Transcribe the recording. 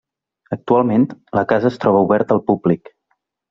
Actualment, la casa es troba oberta al públic.